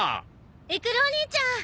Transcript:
イクルお兄ちゃん。